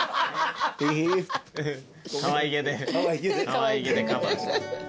かわいげでカバーして。